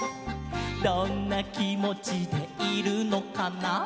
「どんなきもちでいるのかな」